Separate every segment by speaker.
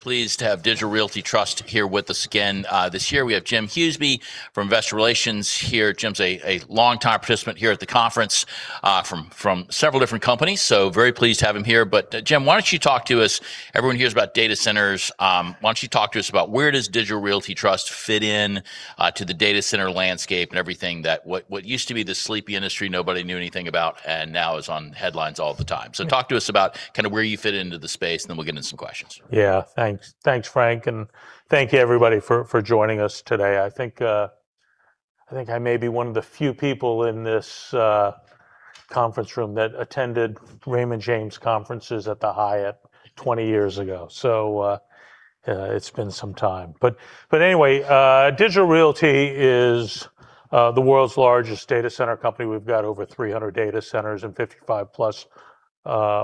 Speaker 1: Pleased to have Digital Realty Trust here with us again this year. We have Jim Huseby from Investor Relations here. Jim's a longtime participant here at the conference from several different companies, very pleased to have him here. Jim, why don't you talk to us. Everyone hears about data centers. Why don't you talk to us about where does Digital Realty Trust fit in to the data center landscape and everything used to be this sleepy industry nobody knew anything about and now is on headlines all the time.
Speaker 2: Yeah.
Speaker 1: Talk to us about kinda where you fit into the space, and then we'll get into some questions.
Speaker 2: Yeah. Thanks. Thanks, Frank, and thank you, everybody, for joining us today. I think I may be one of the few people in this conference room that attended Raymond James conferences at the Hyatt 20 years ago, so it's been some time. Anyway, Digital Realty is the world's largest data center company. We've got over 300 data centers in 55+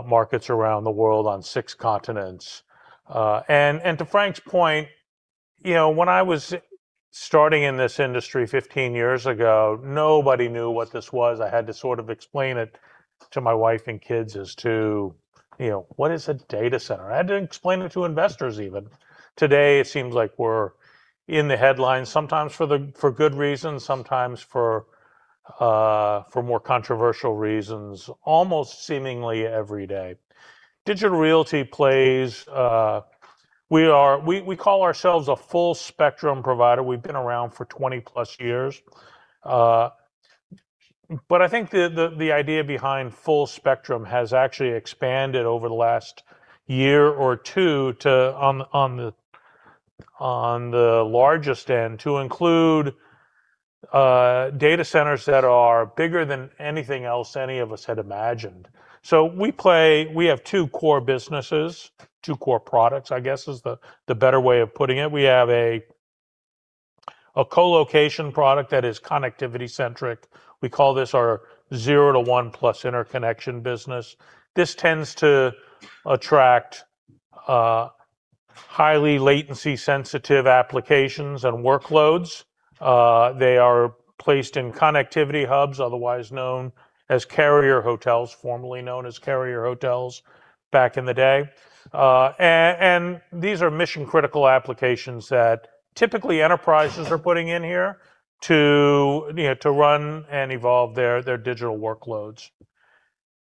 Speaker 2: markets around the world on six continents. To Frank's point, when I was starting in this industry 15 years ago, nobody knew what this was. I had to explain it to my wife and kids as to what is a data center? I had to explain it to investors even. Today, it seems like we're in the headlines, sometimes for good reasons, sometimes for more controversial reasons, almost seemingly every day. Digital Realty plays. We call ourselves a full spectrum provider. We've been around for 20+ years. I think the idea behind full spectrum has actually expanded over the last year or two on the largest end to include data centers that are bigger than anything else any of us had imagined. We have two core businesses, two core products, I guess is the better way of putting it. We have a colocation product that is connectivity-centric. We call this our zero to one plus interconnection business. This tends to attract highly latency sensitive applications and workloads. They are placed in connectivity hubs, otherwise known as carrier hotels, formerly known as carrier hotels back in the day. And these are mission-critical applications that typically enterprises are putting in here to run and evolve their digital workloads.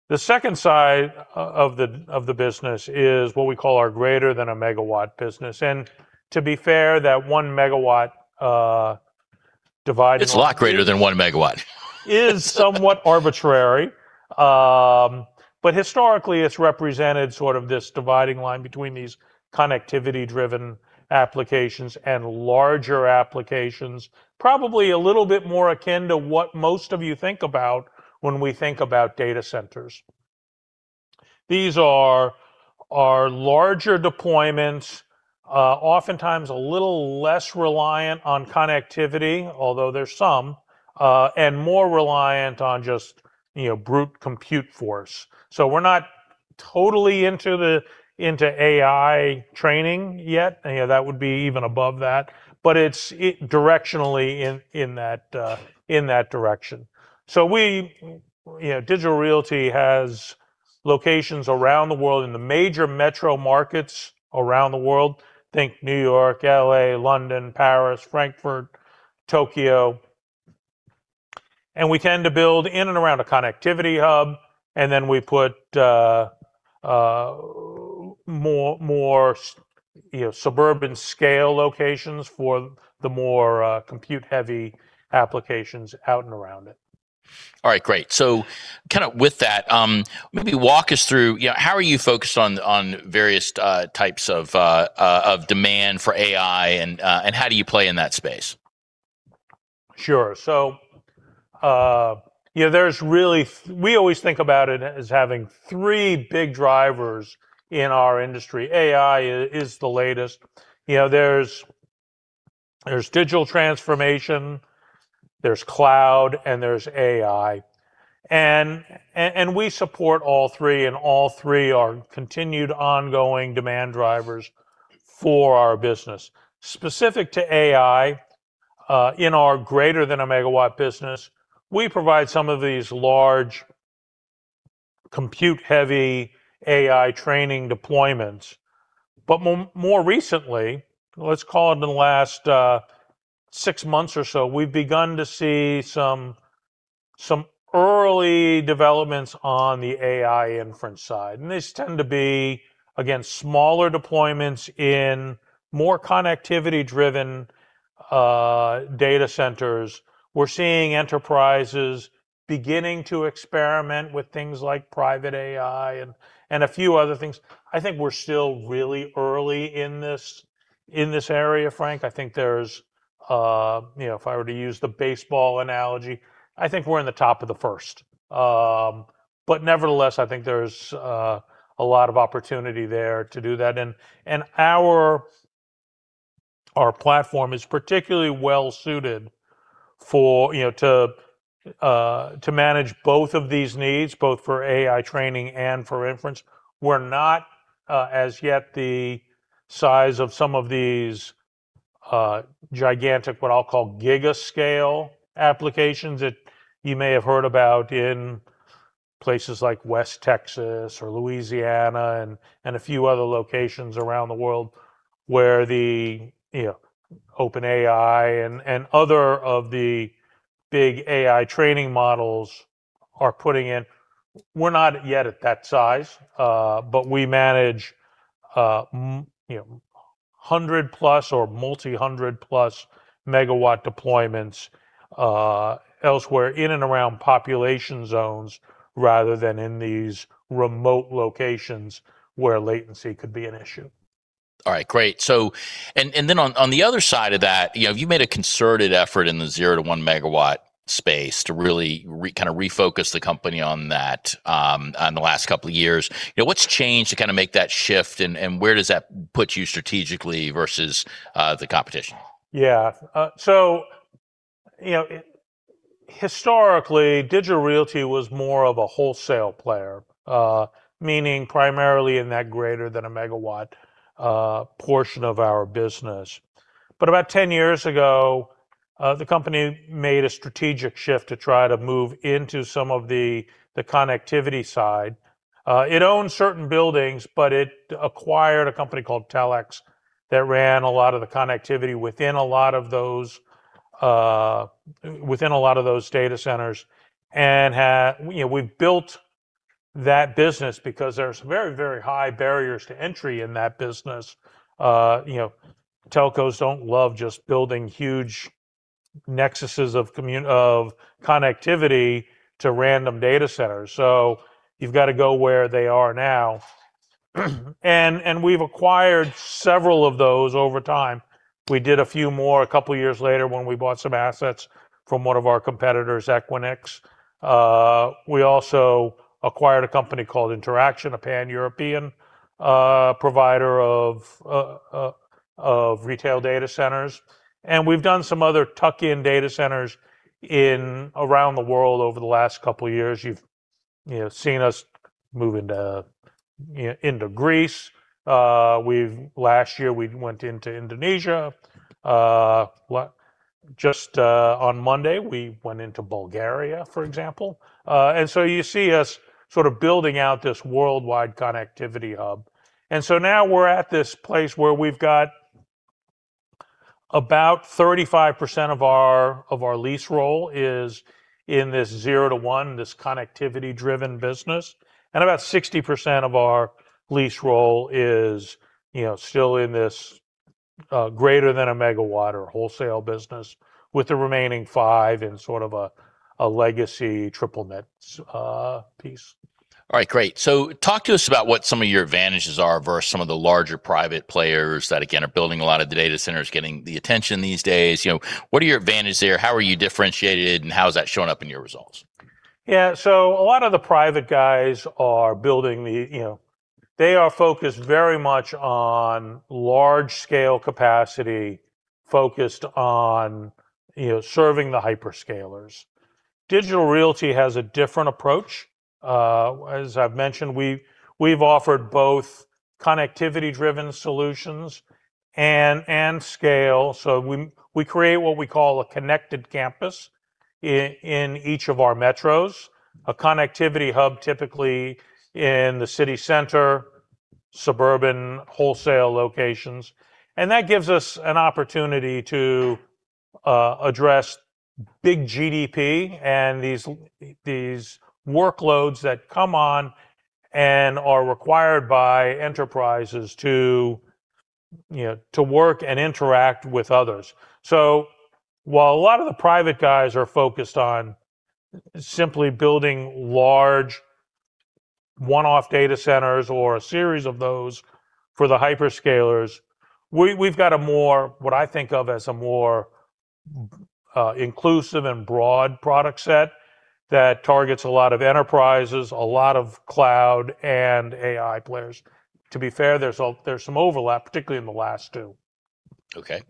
Speaker 2: The second side of the business is what we call our greater than a megawatt business. To be fair, that 1 MW.
Speaker 1: It's a lot greater than 1 MW.
Speaker 2: Is somewhat arbitrary. Historically, it's represented this dividing line between these connectivity-driven applications and larger applications, probably a little bit more akin to what most of you think about when we think about data centers. These are our larger deployments, oftentimes a little less reliant on connectivity, although there's some, and more reliant on just brute compute force. We're not totally into AI training yet. You know, that would be even above that. It's directionally in that direction. We, you know, Digital Realty has locations around the world in the major metro markets around the world. Think New York, L.A., London, Paris, Frankfurt, Tokyo. We tend to build in and around a connectivity hub, and then we put, more suburban scale locations for the more, compute-heavy applications out and around it.
Speaker 1: All right, great. Kinda with that, maybe walk us through, how are you focused on various types of demand for AI and how do you play in that space?
Speaker 2: Sure. So, we always think about it as having three big drivers in our industry. AI is the latest. You know, there's digital transformation, there's cloud, and there's AI. And we support all three, and all three are continued ongoing demand drivers for our business. Specific to AI, in our greater than a megawatt business, we provide some of these large compute-heavy AI training deployments. More recently, let's call it in the last six months or so, we've begun to see some early developments on the AI inference side. These tend to be, again, smaller deployments in more connectivity-driven data centers. We're seeing enterprises beginning to experiment with things like Private AI and a few other things. I think we're still really early in this area, Frank. I think there's, if I were to use the baseball analogy, I think we're in the top of the first. Nevertheless, I think there's a lot of opportunity there to do that. Our platform is particularly well-suited for, you know, to manage both of these needs, both for AI training and for inference. We're not as yet the size of some of these gigantic, what I'll call giga-scale applications that you may have heard about in places like West Texas or Louisiana and a few other locations around the world where the OpenAI and other of the big AI training models are putting in. We're not yet at that size, but we manage 100+ or multi-hundred plus megawatt deployments, elsewhere in and around population zones rather than in these remote locations where latency could be an issue.
Speaker 1: All right, great. On the other side of that, you made a concerted effort in the zero to 1 MW space to really refocus the company on that, on the last couple of years. You know, what's changed to kind of make that shift, and where does that put you strategically versus, the competition?
Speaker 2: Yeah. So, historically, Digital Realty was more of a wholesale player, meaning primarily in that greater than a megawatt portion of our business. About 10 years ago, the company made a strategic shift to try to move into some of the connectivity side. It owned certain buildings, but it acquired a company called Telx that ran a lot of the connectivity within a lot of those, within a lot of those data centers. You know, we've built that business because there are some very, very high barriers to entry in that business. You know, telcos don't love just building huge nexuses of connectivity to random data centers. You've got to go where they are now. We've acquired several of those over time. We did a few more a couple of years later when we bought some assets from one of our competitors, Equinix. We also acquired a company called Interxion, a Pan-European provider of retail data centers. We've done some other tuck-in data centers in around the world over the last couple of years. You've seen us move into Greece. We've last year we went into Indonesia. Just on Monday, we went into Bulgaria, for example. You see us building out this worldwide connectivity hub. Now we're at this place where we've got about 35% of our lease roll is in this zero to one, this connectivity-driven business, about 60% of our lease roll is still in this greater than a megawatt or wholesale business with the remaining 5% in a legacy triple net piece.
Speaker 1: All right, great. Talk to us about what some of your advantages are versus some of the larger private players that, again, are building a lot of the data centers, getting the attention these days. You know, what are your advantage there? How are you differentiated, and how is that showing up in your results?
Speaker 2: Yeah. A lot of the private guys are building the, you know. They are focused very much on large scale capacity, focused on serving the hyperscalers. Digital Realty has a different approach. As I've mentioned, we've offered both connectivity-driven solutions and scale. We create what we call a Connected Campus in each of our metros. A connectivity hub, typically in the city center, suburban wholesale locations. That gives us an opportunity to address big GDP and these workloads that come on and are required by enterprises to work and interact with others. While a lot of the private guys are focused on simply building large one-off data centers or a series of those for the hyperscalers, we've got a more, what I think of as a more inclusive and broad product set that targets a lot of enterprises, a lot of cloud and AI players. To be fair, there's a, there's some overlap, particularly in the last two.
Speaker 1: Okay,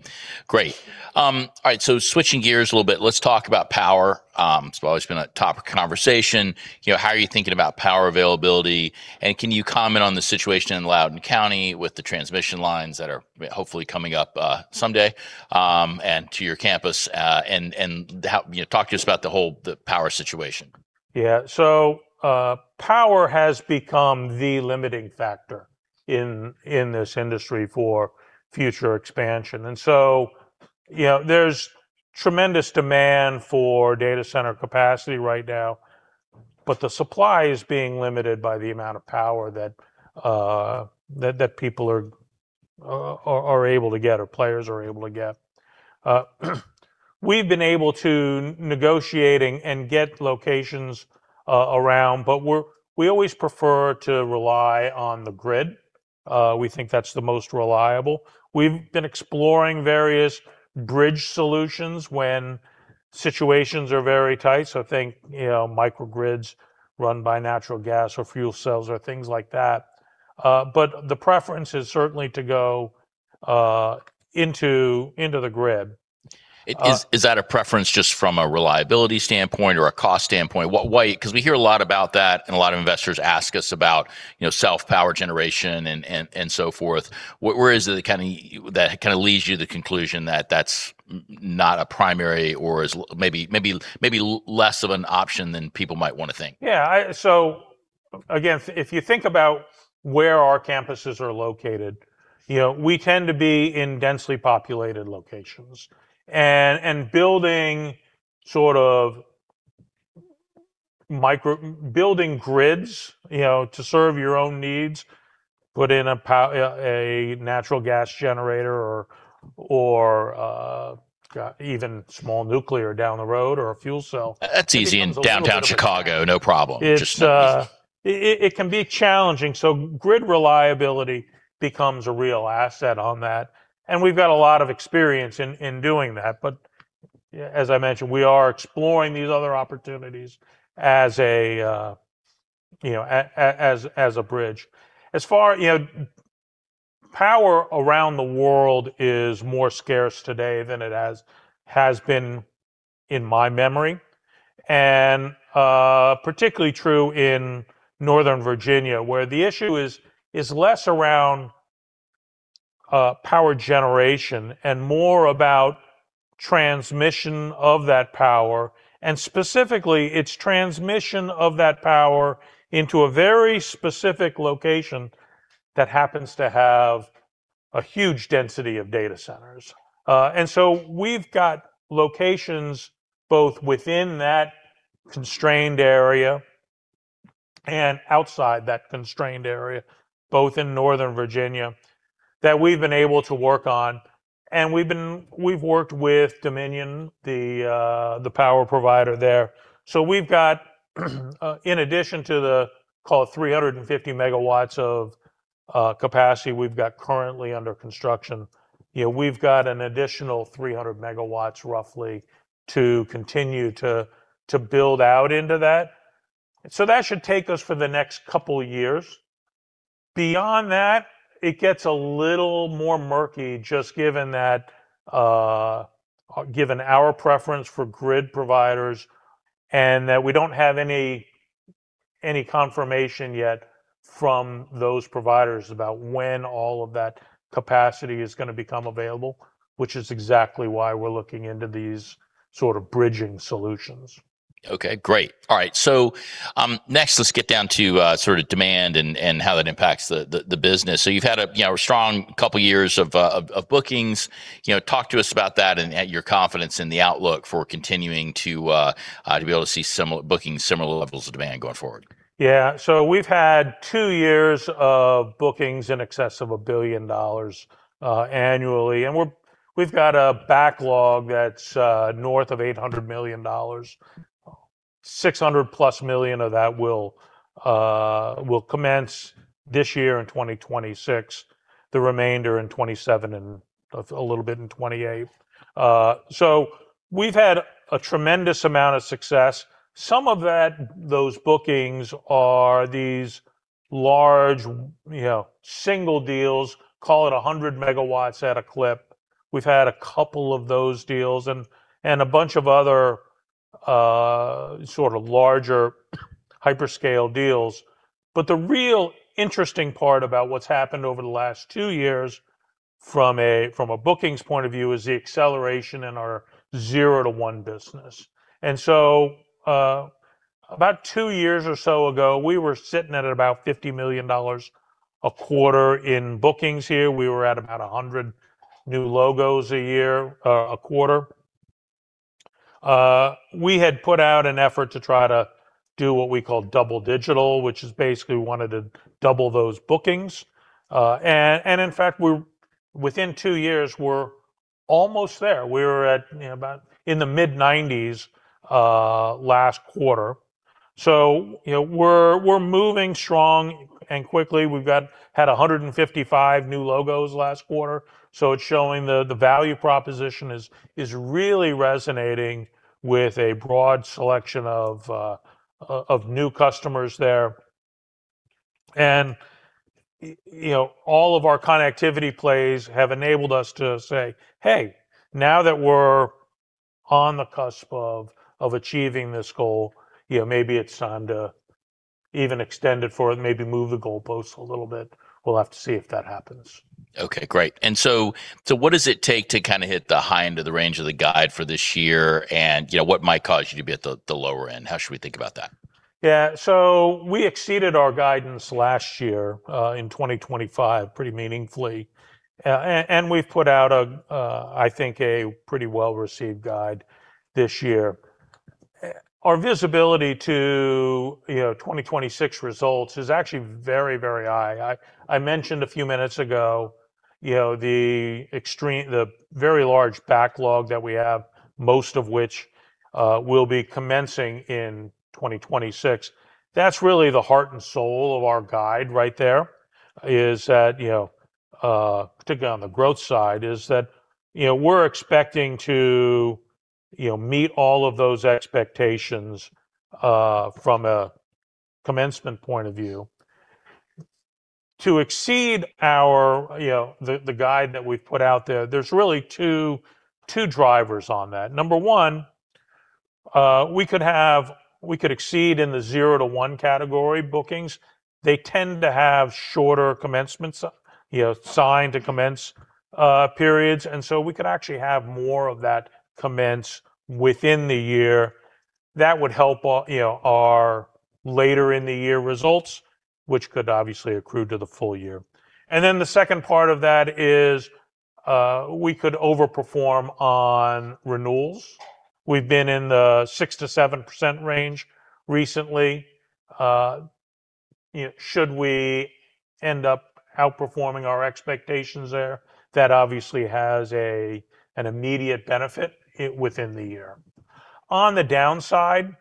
Speaker 1: great. All right, switching gears a little bit, let's talk about power. It's always been a topic of conversation. You know, how are you thinking about power availability, and can you comment on the situation in Loudoun County with the transmission lines that are hopefully coming up someday, and to your campus? Talk to us about the whole power situation.
Speaker 2: Power has become the limiting factor in this industry for future expansion. You know, there's tremendous demand for data center capacity right now, but the supply is being limited by the amount of power that people are able to get or players are able to get. We've been able to negotiating and get locations around, but we always prefer to rely on the grid. We think that's the most reliable. We've been exploring various bridge solutions when situations are very tight. I think microgrids run by natural gas or fuel cells or things like that. But the preference is certainly to go into the grid.
Speaker 1: Is that a preference just from a reliability standpoint or a cost standpoint? What, why? 'Cause we hear a lot about that, and a lot of investors ask us about self-power generation and so forth. Where is it that kinda that kinda leads you to the conclusion that that's not a primary or is maybe less of an option than people might wanna think?
Speaker 2: Yeah. Again, if you think about where our campuses are located, we tend to be in densely populated locations. Building sort of building grids, to serve your own needs, put in a natural gas generator or even small nuclear down the road or a fuel cell.
Speaker 1: That's easy in downtown Chicago, no problem.
Speaker 2: It can be challenging. Grid reliability becomes a real asset on that. We've got a lot of experience in doing that. Yeah, as I mentioned, we are exploring these other opportunities as a bridge. You know, power around the world is more scarce today than it has been in my memory, and particularly true in Northern Virginia, where the issue is less around power generation and more about transmission of that power, and specifically it's transmission of that power into a very specific location that happens to have a huge density of data centers. We've got locations both within that constrained area and outside that constrained area, both in Northern Virginia, that we've been able to work on. We've worked with Dominion, the power provider there. We've got, in addition to the, call it 350 MW of capacity we've got currently under construction, we've got an additional 300 MW roughly to continue to build out into that. That should take us for the next couple years. Beyond that, it gets a little more murky, just given that, given our preference for grid providers, and that we don't have any confirmation yet from those providers about when all of that capacity is gonna become available, which is exactly why we're looking into these sort of bridging solutions.
Speaker 1: Okay, great. All right, next let's get down to demand and how that impacts the business. You've had a strong couple years of bookings. You know, talk to us about that and your confidence in the outlook for continuing to be able to see booking similar levels of demand going forward.
Speaker 2: We've had two years of bookings in excess of $1 billion annually. We've got a backlog that's north of $800 million. $600+ million of that will commence this year in 2026, the remainder in 2027 and a little bit in 2028. We've had a tremendous amount of success. Some of that, those bookings are these large single deals, call it 100 MW at a clip. We've had a couple of those deals and a bunch of other larger hyperscale deals. The real interesting part about what's happened over the last two years from a bookings point of view is the acceleration in our zero to one business. About two years or so ago, we were sitting at about $50 million a quarter in bookings here. We were at about 100 new logos a year, a quarter. We had put out an effort to try to do what we call double-digit, which is basically we wanted to double those bookings. In fact, within two years we're almost there. We're at about in the mid-90s last quarter. You know, we're moving strong and quickly. Had 155 new logos last quarter, so it's showing the value proposition is really resonating with a broad selection of new customers there. You know, all of our connectivity plays have enabled us to say, "Hey, now that we're on the cusp of achieving this goal, maybe it's time to even extend it for maybe move the goalposts a little bit." We'll have to see if that happens.
Speaker 1: Okay, great. What does it take to kinda hit the high end of the range of the guide for this year what might cause you to be at the lower end? How should we think about that?
Speaker 2: Yeah. We exceeded our guidance last year, in 2025 pretty meaningfully. And we've put out a, I think a pretty well-received guide this year. Our visibility to 2026 results is actually very, very high. I mentioned a few minutes ago, the very large backlog that we have, most of which, will be commencing in 2026. That's really the heart and soul of our guide right there, is that, particularly on the growth side, is that we're expecting to meet all of those expectations, from a commencement point of view. To exceed our, you know, the guide that we've put out there's really two drivers on that. Number one, we could exceed in the zero to one category bookings. They tend to have shorter commencement sign to commence, periods. We could actually have more of that commence within the year. That would help our later in the year results, which could obviously accrue to the full year. The second part of that is, we could overperform on renewals. We've been in the 6%-7% range recently. You know, should we end up outperforming our expectations there, that obviously has an immediate benefit within the year. On the downside,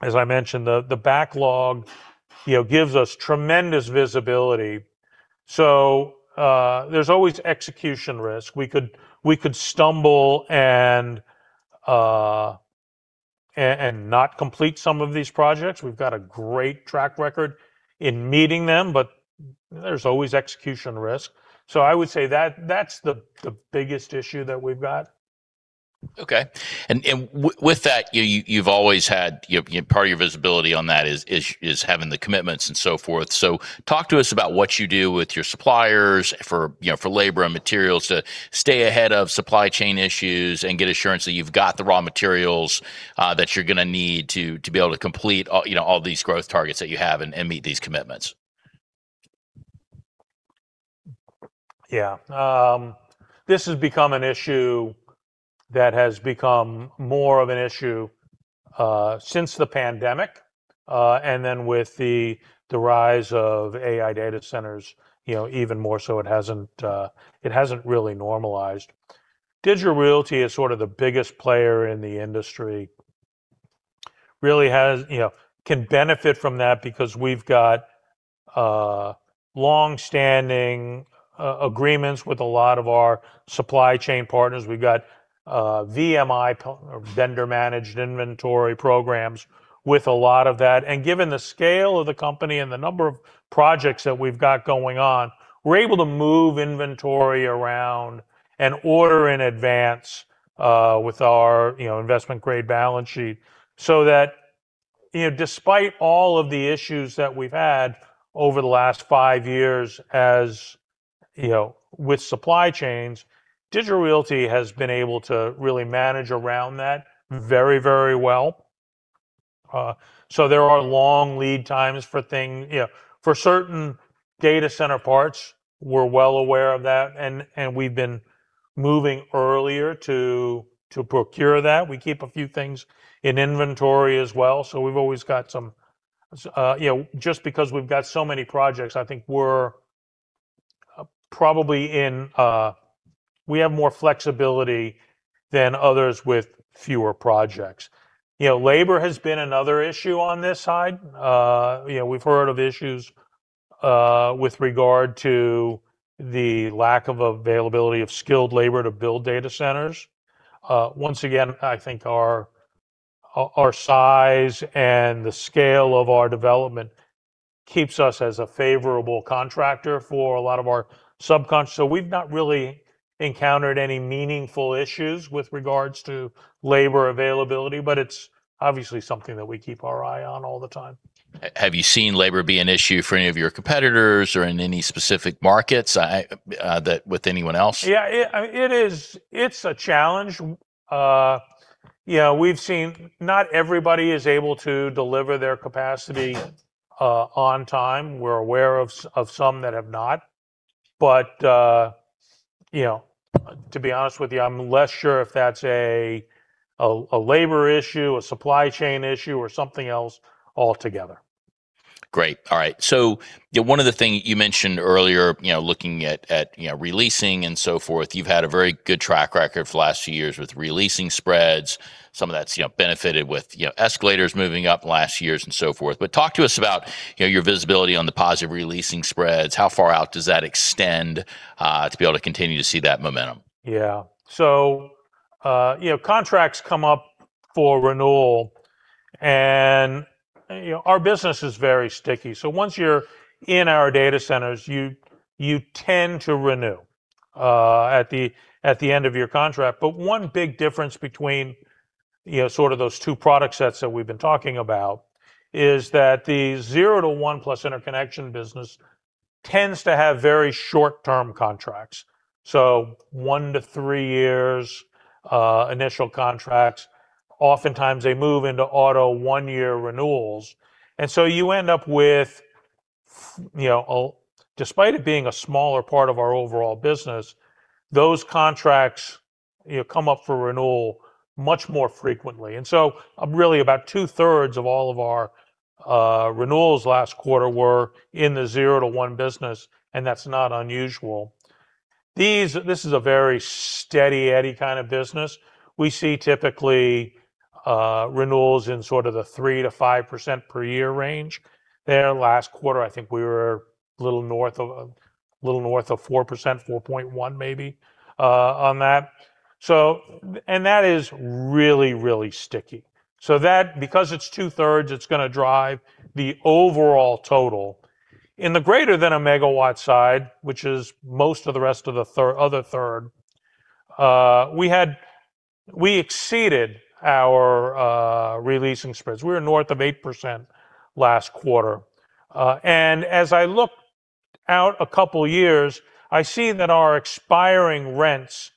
Speaker 2: as I mentioned, the backlog, gives us tremendous visibility. There's always execution risk. We could, we could stumble and not complete some of these projects. We've got a great track record in meeting them, but there's always execution risk. I would say that's the biggest issue that we've got.
Speaker 1: Okay. With that, you've always had, part of your visibility on that is having the commitments and so forth. Talk to us about what you do with your suppliers for labor and materials to stay ahead of supply chain issues and get assurance that you've got the raw materials that you're gonna need to be able to complete all these growth targets that you have and meet these commitments.
Speaker 2: Yeah. This has become an issue that has become more of an issue since the pandemic, and then with the rise of AI data centers, even more so, it hasn't really normalized. Digital Realty is the biggest player in the industry. Really has, you know, can benefit from that because we've got longstanding agreements with a lot of our supply chain partners. We've got VMI, vendor managed inventory programs with a lot of that. Given the scale of the company and the number of projects that we've got going on, we're able to move inventory around and order in advance with our investment-grade balance sheet. That, despite all of the issues that we've had over the last five years as with supply chains, Digital Realty has been able to really manage around that very, very well. There are long lead times for certain data center parts, we're well aware of that. We've been moving earlier to procure that. We keep a few things in inventory as well. We've always got some, just because we've got so many projects, I think we're probably in, we have more flexibility than others with fewer projects. Labor has been another issue on this side. You know, we've heard of issues with regard to the lack of availability of skilled labor to build data centers. Once again, I think our size and the scale of our development keeps us as a favorable contractor for a lot of our subcontractors. We've not really encountered any meaningful issues with regards to labor availability, but it's obviously something that we keep our eye on all the time.
Speaker 1: Have you seen labor be an issue for any of your competitors or in any specific markets? I, that with anyone else?
Speaker 2: Yeah. It is, it's a challenge. You know, we've seen not everybody is able to deliver their capacity on time. We're aware of some that have not. To be honest with you, I'm less sure if that's a labor issue, a supply chain issue, or something else altogether.
Speaker 1: Great. All right. Yeah, one of the things you mentioned earlier, looking at, re-leasing and so forth, you've had a very good track record for the last few years with re-leasing spreads. Some of that's benefited with escalators moving up last years and so forth. Talk to us about your visibility on the positive re-leasing spreads. How far out does that extend to be able to continue to see that momentum?
Speaker 2: Yeah. You know, contracts come up for renewal, and our business is very sticky. Once you're in our data centers, you tend to renew at the end of your contract. One big difference between those two product sets that we've been talking about is that the zero to one-plus interconnection business tends to have very short-term contracts. One to three years, initial contracts, oftentimes they move into auto one-year renewals. You end up with you know, despite it being a smaller part of our overall business, those contracts, come up for renewal much more frequently. Really about two-thirds of all of our renewals last quarter were in the zero to one business, and that's not unusual. This is a very steady eddy kind of business. We see typically, renewals in the 3%-5% per year range. There last quarter, I think we were a little north of 4%, 4.1% maybe, on that. That is really sticky. That, because it's 2/3, it's gonna drive the overall total. In the greater than a megawatt side, which is most of the rest of the 1/3, we exceeded our re-leasing spreads. We were north of 8% last quarter. As I look out two years, I see that our expiring rents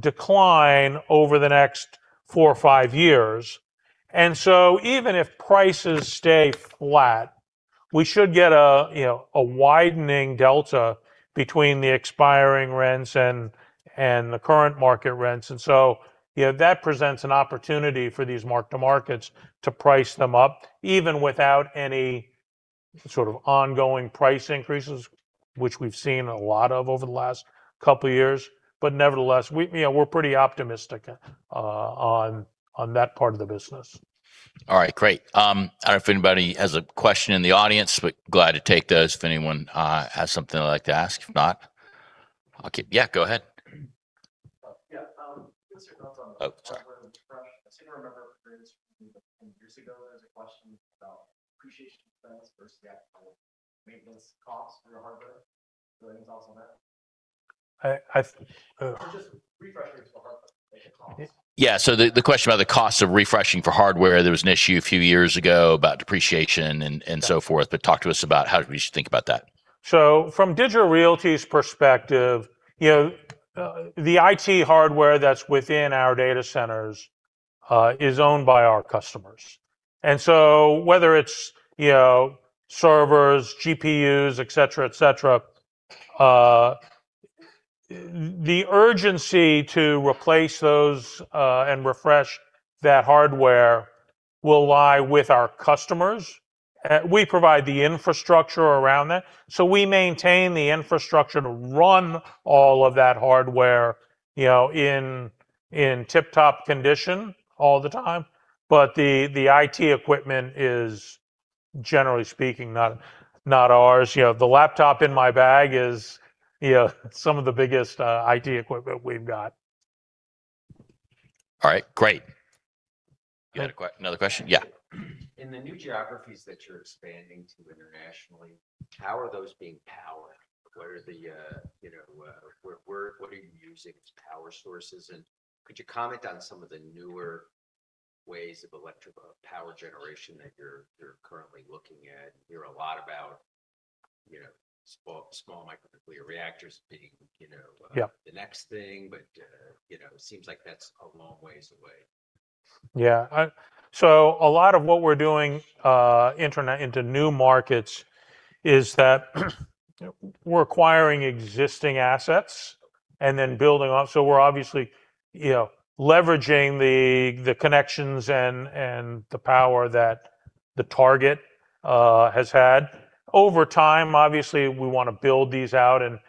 Speaker 2: decline over the next four or five years. Even if prices stay flat, we should get a, you know, a widening delta between the expiring rents and the current market rents. You know, that presents an opportunity for these mark-to-market to price them up, even without any ongoing price increases, which we've seen a lot of over the last couple years. Nevertheless, we're pretty optimistic on that part of the business.
Speaker 1: All right, great. I don't know if anybody has a question in the audience, glad to take those if anyone has something they'd like to ask. If not. Yeah, go ahead.
Speaker 3: Yeah, what's your thoughts on hardware refresh? I seem to remember a few years ago there was a question about appreciation events versus the actual maintenance costs for your hardware. Do you have any thoughts on that? Just refresh rates for hardware costs.
Speaker 1: Yeah, the question about the cost of refreshing for hardware. There was an issue a few years ago about depreciation and so forth, but talk to us about how we should think about that.
Speaker 2: From Digital Realty's perspective, the IT hardware that's within our data centers, is owned by our customers. Whether it's servers, GPUs, et cetera, et cetera, the urgency to replace those and refresh that hardware will lie with our customers. We provide the infrastructure around that. We maintain the infrastructure to run all of that hardware, in tip-top condition all the time, but the IT equipment is, generally speaking, not ours. You know, the laptop in my bag is some of the biggest IT equipment we've got.
Speaker 1: All right, great. You had another question? Yeah.
Speaker 3: In the new geographies that you're expanding to internationally, how are those being powered? What are the, what are you using as power sources? Could you comment on some of the newer ways of electric power generation that you're currently looking at? You hear a lot about small nuclear reactors being, you know.
Speaker 2: Yeah
Speaker 3: The next thing. You know, seems like that's a long ways away.
Speaker 2: Yeah. A lot of what we're doing, enter into new markets is that we're acquiring existing assets and then building on. We're obviously leveraging the connections and the power that the target has had. Over time, obviously, we wanna build these out and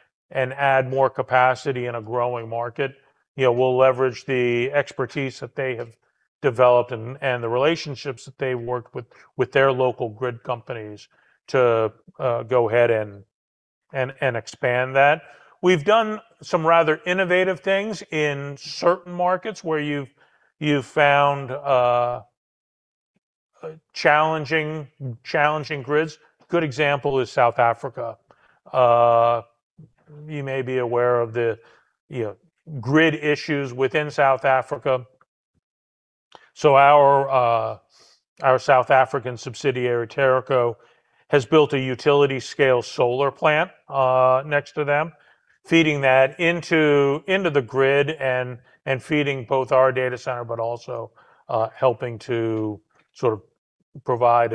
Speaker 2: add more capacity in a growing market. You know, we'll leverage the expertise that they have developed and the relationships that they worked with their local grid companies to go ahead and expand that. We've done some rather innovative things in certain markets where you've found challenging grids. Good example is South Africa. You may be aware of the grid issues within South Africa. Our South African subsidiary, Teraco, has built a utility scale solar plant, next to them, feeding that into the grid and feeding both our data center, but also, helping to provide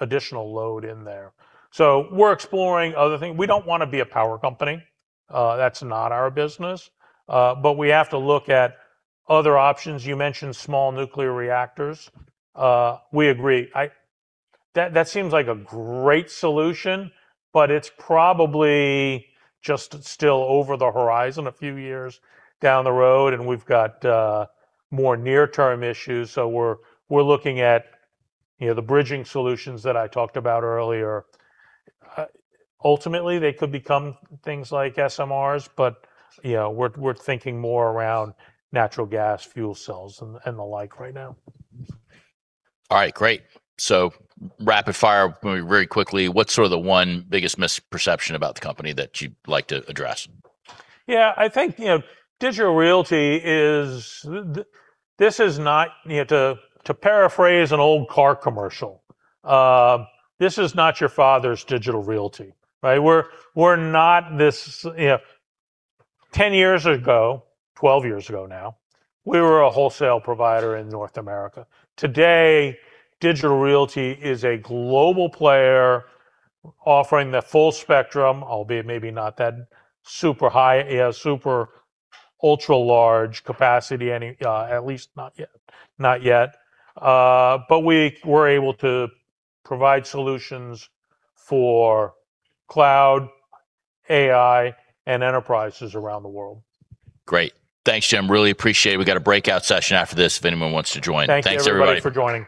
Speaker 2: additional load in there. We're exploring other things. We don't wanna be a power company, that's not our business. We have to look at other options. You mentioned small nuclear reactors. We agree. That seems like a great solution, but it's probably just still over the horizon a few years down the road, and we've got more near-term issues. We're looking at the bridging solutions that I talked about earlier. Ultimately, they could become things like SMRs, but we're thinking more around natural gas, fuel cells, and the like right now.
Speaker 1: All right, great. Rapid fire, I mean, very quickly, what's the one biggest misperception about the company that you'd like to address?
Speaker 2: I think, Digital Realty, this is not. To paraphrase an old car commercial, this is not your father's Digital Realty, right? We're not this. You know, 10 years ago, 12 years ago now, we were a wholesale provider in North America. Today, Digital Realty is a global player offering the full spectrum, albeit maybe not that super high, super ultra large capacity any, at least not yet. Not yet. We're able to provide solutions for cloud, AI, and enterprises around the world.
Speaker 1: Great. Thanks, Jim. Really appreciate it. We got a breakout session after this if anyone wants to join.
Speaker 2: Thank you everybody for joining.